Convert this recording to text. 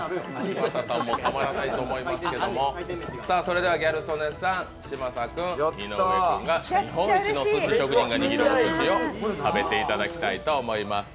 嶋佐さんもたまらないと思いますけど、それではギャル曽根さん嶋佐さん、井上君に日本一のすし職人が握るおすしを食べていただきたいと思います。